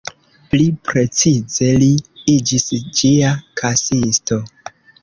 Pli precize, li iĝis ĝia kasisto.